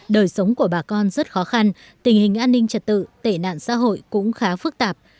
đời sống của bà con rất khó khăn tình hình an ninh trật tự tệ nạn xã hội cũng khá phức tạp